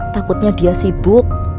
takutnya dia sibuk